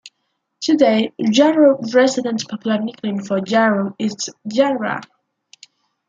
Today Jarrow residents' popular nickname for Jarrow is "Jarra".